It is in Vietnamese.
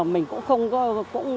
mình cũng không thôi